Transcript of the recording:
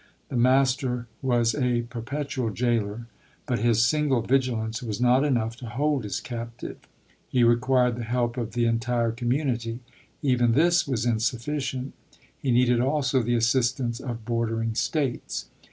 The master was a perpetual jailer, but his single vigilance was not enough to hold his captive ; he required the help of the entire community; even this was insufficient ; he needed also the assistance of bordering States.